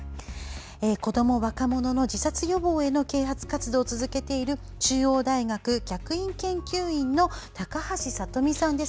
子ども・若者の自殺予防への啓発活動を続けている中央大学客員研究員の高橋聡美さんです。